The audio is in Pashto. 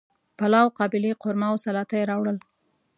پلاو، قابلی، قورمه او سلاطه یی راوړل